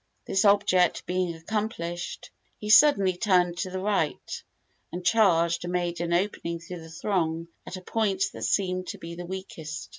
This object being accomplished, he suddenly turned to the right, and charged and made an opening through the throng at a point that seemed to be the weakest.